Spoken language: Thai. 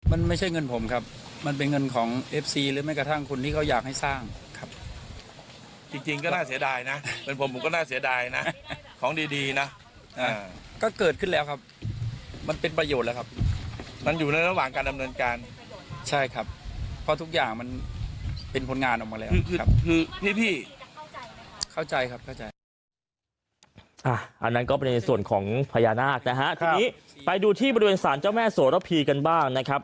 อันนั้นก็เป็นส่วนของพญานาคนะครับทีนี้ไปดูที่บริเวณศาลเจ้าแม่โสระพีกันบ้างนะครับ